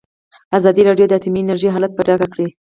ازادي راډیو د اټومي انرژي حالت په ډاګه کړی.